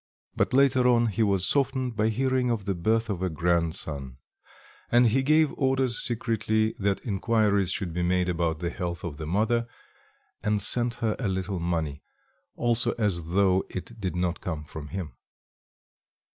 But later on, he was softened by hearing of the birth of a grandson, and he gave orders secretly that inquiries should be made about the health of the mother, and sent her a little money, also as though it did not come from him.